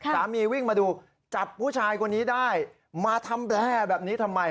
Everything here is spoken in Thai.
สามีวิ่งมาดูจับผู้ชายคนนี้ได้มาทำแร่แบบนี้ทำไม